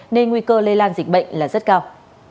nên nguy cơ lây lan dịch bệnh là rất cao